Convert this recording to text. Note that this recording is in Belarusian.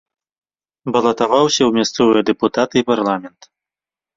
Балатаваўся ў мясцовыя дэпутаты і парламент.